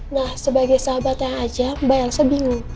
nah sebagai sahabatnya aja mbak elsa bingung